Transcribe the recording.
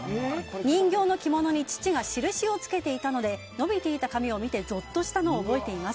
人形の着物に父が印をつけていたので伸びていた髪を見てぞっとしたのを覚えています。